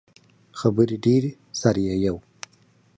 خبرې ډیرې سر ئې یؤ